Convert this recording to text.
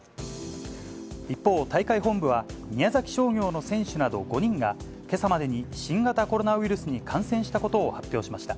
一方、大会本部は宮崎商業の選手など５人が、けさまでに新型コロナウイルスに感染したことを発表しました。